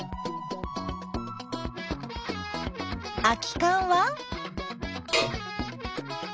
空きかんは？